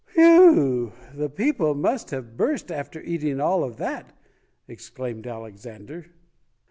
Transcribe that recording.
"Whew! The people must have burst after eat ing all of that!" exclaimed Alexander.